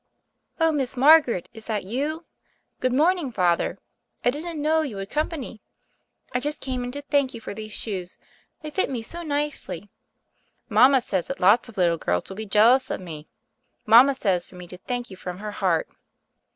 "Oh, Miss Margaret, is that you? — Good morning, Father; I didn't know you had com pany. I just came in to thank you for these shoes; they fit me so nicely. Mama says that lots of little girls will be jealous of me. Mama says for me to thank you from her heart."